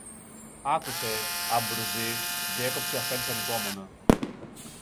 Άκουσε, Αμπρουζή, διέκοψε ο αφέντης ανυπόμονα